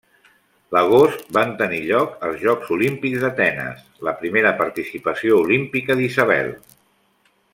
L'agost van tenir lloc els Jocs Olímpics d'Atenes, la primera participació olímpica d'Isabel.